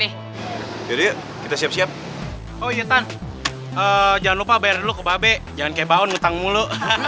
hahaha daripada lo minta tangkiran mulu